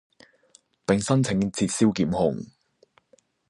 並申請撤銷檢控